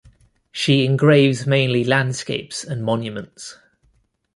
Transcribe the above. She engraves mainly landscapes and monuments.